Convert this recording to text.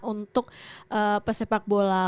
untuk pesepak bola